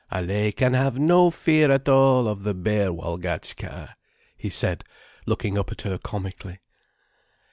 "Allaye can have no fear at all of the bear Walgatchka," he said, looking up at her comically.